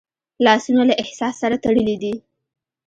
لاسونه له احساس سره تړلي دي